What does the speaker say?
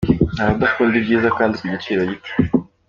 Ntawe udakunda ibyiza kandi ku giciro gito.